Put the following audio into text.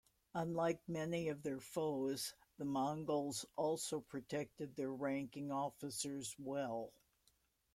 Unlike many of their foes, the Mongols also protected their ranking officers well.